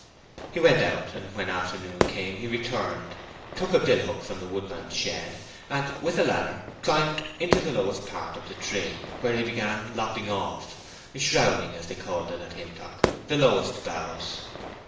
He went out, and when afternoon came he returned, took a billhook from the woodman's shed, and with a ladder climbed into the lower part of the tree, where he began lopping off—"shrouding," as they called it at Hintock—the lowest boughs.